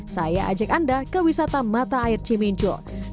saya ajak anda ke wisata mata air cimincu